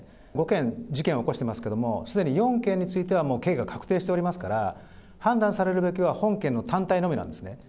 ５件事件を起こしてますけれども、すでに４件については、もう刑が確定しておりますから、判断されるべきは本件の単体のみなんですね。